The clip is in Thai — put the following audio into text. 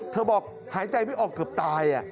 บอกหายใจไม่ออกเกือบตาย